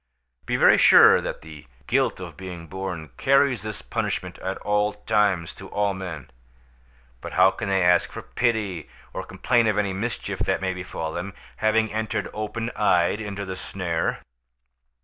Be very sure that the guilt of being born carries this punishment at times to all men; but how can they ask for pity, or complain of any mischief that may befall them, having entered open eyed into the snare?